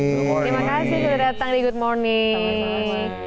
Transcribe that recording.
terima kasih sudah datang di good morning